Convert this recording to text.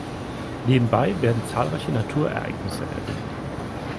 Nebenbei werden zahlreiche Naturereignisse erwähnt.